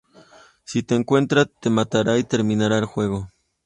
Si te encuentra, te matará y terminará el juego.